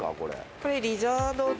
これ。